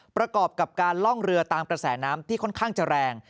ประกอบกับการล่องเรือตามกระแสน้ำที่ค่อนข้างจะแรง